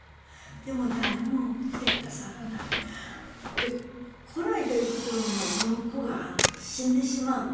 でも誰も来て下さらない。来ないという事はもうこの子が死んでしまう。